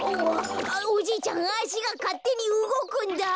おじいちゃんあしがかってにうごくんだ。